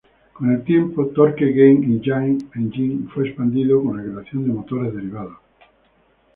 Con el tiempo, Torque Game Engine fue expandido con la creación de motores derivados.